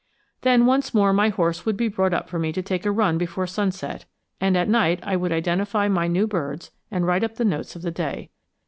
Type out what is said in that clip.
Then once more my horse would be brought up for me to take a run before sunset; and at night I would identify my new birds and write up the notes of the day.